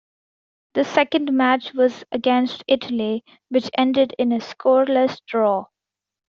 The second match was against Italy, which ended in a scoreless draw.